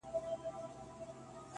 په څو رنگه عذاب د دې دنیا مړ سوم